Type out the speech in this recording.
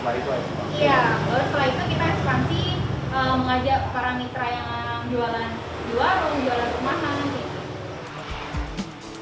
iya baru setelah itu kita ekspansi mengajak para mitra yang jualan di warung jualan rumah dan lain lain